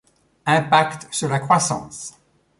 Impact sur la croissance.